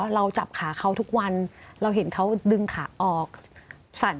เราจับขาเขาทุกวันเราเห็นเขาดึงขาออกสั่น